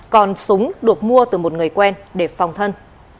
còn súng được mua từ một người quen để phòng thân